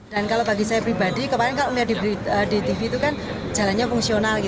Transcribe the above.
dan kalau bagi saya pribadi kemarin kalau di tv itu kan jalannya fungsional